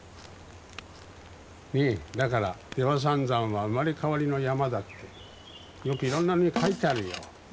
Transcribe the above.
ねえだから出羽三山は生まれ変わりの山だってよくいろんなのに書いてあるよ。